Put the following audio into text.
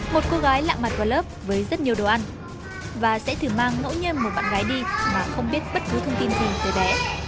một cô gái lạ mặt vào lớp với rất nhiều đồ ăn và sẽ thử mang ngẫu nhiên một bạn gái đi mà không biết bất cứ thông tin gì từ bé